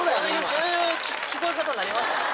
そういう聞こえ方になりましたね。